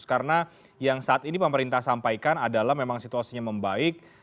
karena yang saat ini pemerintah sampaikan adalah memang situasinya membaik